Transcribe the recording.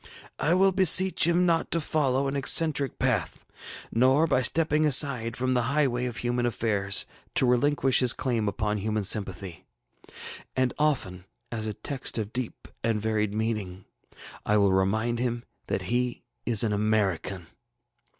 I will beseech him not to follow an eccentric path, nor, by stepping aside from the highway of human affairs, to relinquish his claim upon human sympathy. And often, as a text of deep and varied meaning, I will remind him that he is an American.